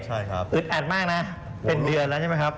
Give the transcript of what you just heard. ใช่ครับอึดอัดมากนะเป็นเดือนแล้วใช่ไหมครับ